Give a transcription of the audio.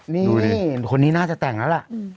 นี่คนนี้น่าจะแต่งแล้วล่ะ